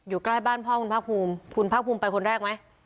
อยู่ใกล้บ้านพ่อคุณพักภูมิคุณพักภูมิไปคนแรกไหม